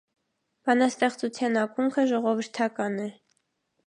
Բանաստեղծության ակունքը ժողովրդական է։